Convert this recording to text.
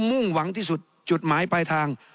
มุ่งหวังที่สุดจุดหมายปลายทาง